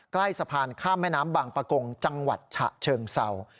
ใกล้สะพานข้ามแม่น้ำบางประกงจังหวัดฉะเชิงเศร้า